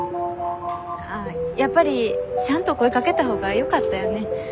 あやっぱりちゃんと声かけたほうがよかったよね？